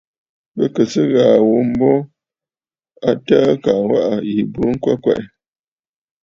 Bɨ kɨ̀ sɨ ghàà ghu mbo a təə kaa waʼà yi burə ŋkwɛ kwɛʼɛ.